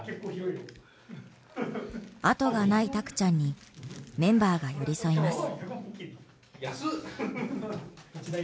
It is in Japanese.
あとがないたくちゃんにメンバーが寄り添います。